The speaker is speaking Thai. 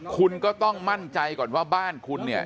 คุณก็ต้องมั่นใจก่อนว่าบ้านคุณเนี่ย